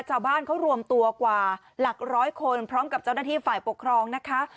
ชาวบ้านเขารวมตัวกว่าหลักร้อยคนพร้อมกับเจ้าหน้าที่ฝ่ายปกครองนะคะ